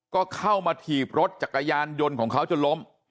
ก็เข้ามาถีบรถจักรยานยนต์ของเขาจนล้ม